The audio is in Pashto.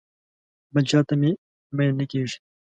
بل چاته مې میل نه کېږي.